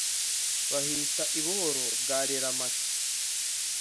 bihita i buhoro bwa reramacu